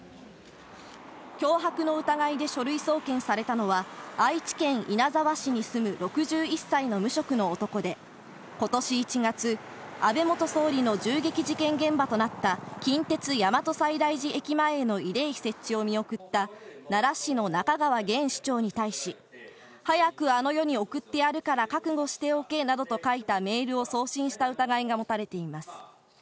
脅迫の疑いで書類送検されたのは、愛知県稲沢市に住む６１歳の無職の男で、ことし１月、安倍元総理の銃撃事件現場となった、近鉄大和西大寺駅前への慰霊碑設置を見送った奈良市の仲川げん市長に対し、早くあの世に送ってやるから覚悟しておけなどと書いたメールを送信した疑いが持たれています。